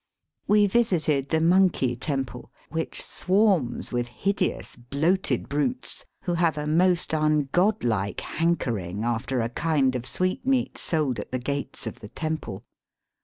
We visited the Monkey Temple, which swarms with hideous bloated brutes, who have a most ungodlike hankering after a kind of sweetmeat sold at the gates of the temple.